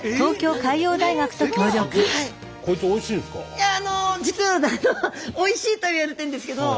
いやあの実はおいしいとはいわれてるんですけど。